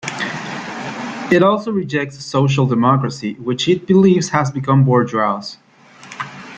It also rejects social democracy, which it believes has become bourgeois.